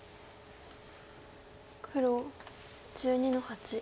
黒１２の八。